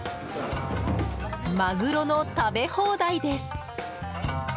マグロの食べ放題です！